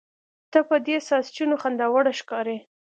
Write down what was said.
ته په دې ساسچنو خنداوړه ښکارې.